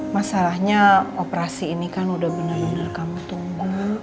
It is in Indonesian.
masalahnya operasi ini kan udah bener bener kamu tunggu